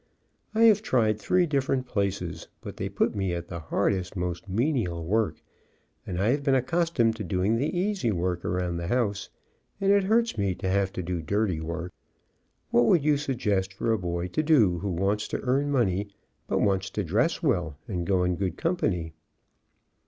I have tried three different places, but they put me at the hardest, most menial work, and I have been ac :nstomed to doing the easy work around the house, 2O2 LEARNING AN EASY TRADE and it hurts me to have to do dirty work. What would you suggest for a boy to do who wants to earn money, but wants to dress well and go in good company."